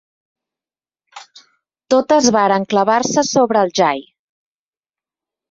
Totes varen clavar-se sobre el jai